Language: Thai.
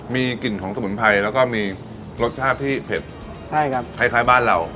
มีกลิ่นของสมุนไพรแล้วก็มีรสชาติที่เผ็ดใช่ครับคล้ายบ้านเรา